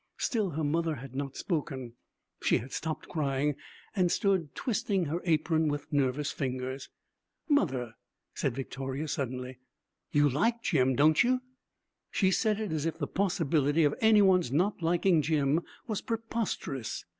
Still her mother had not spoken. She had stopped crying and stood twisting her apron with nervous fingers. 'Mother,' said Victoria, suddenly, 'you like Jim, don't you?' She said it as if the possibility of any one's not liking Jim was preposterous.